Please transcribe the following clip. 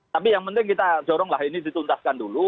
tapi yang penting kita joronglah ini dituntaskan dulu